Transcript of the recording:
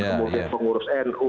kemudian pengurus nu